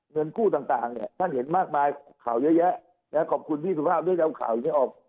เงินกู้ต่างเนี่ยท่านเห็นมากมายข่าวเยอะแยะขอบคุณพี่สุภาพด้วยจะเอาข่าวอย่างนี้ออก